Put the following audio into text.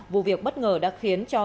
vụ việc bất ngờ đã khiến cho